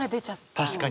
確かに。